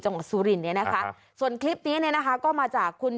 จังหวัดซูรินเนี้ยนะคะส่วนคลิปนี้เนี้ยนะคะก็มาจากคุณ